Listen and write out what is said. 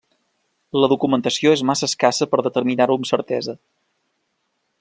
La documentació és massa escassa per determinar-ho amb certesa.